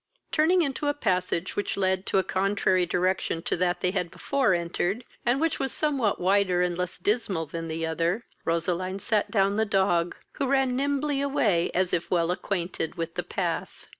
Turning into a passage which led to a contrary direction to that they had before entered, and which was somewhat wider and less dismal than the other, Roseline sat down the dog, who ran nimbly away, as if well acquainted with the path.